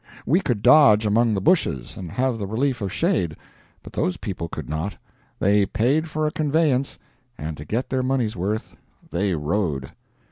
We could dodge among the bushes, and have the relief of shade, but those people could not. They paid for a conveyance, and to get their money's worth they rode.